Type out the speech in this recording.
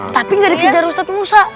tapi gak dikejar ustadz musa